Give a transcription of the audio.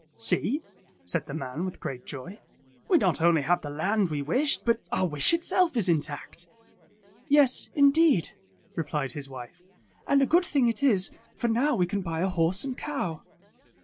''See,'^ said the man with great joy, ''we not only have the land we wished, but our wish itself is intact." "Yes, indeed," replied his wife, "and a good thing it is, for now we can buy a horse and cow."